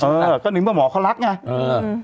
เออก็นึกว่าหมอเค้ารักไง